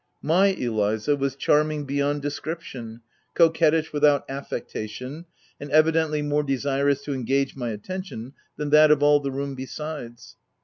My Eliza was charming beyond description, coquettish without affectation, and evidently more desirous to engage my attention than that of all the room besides.